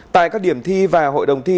tại các điểm thi và hội đồng thi